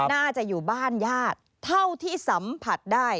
น่าจะอยู่บ้านญาติเท่าที่สัมผัสได้